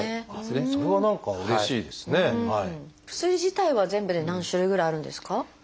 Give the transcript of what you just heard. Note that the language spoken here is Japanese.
薬自体は全部で何種類ぐらいあるんですか？